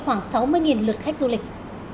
khoảng sáu mươi lượt khách du lịch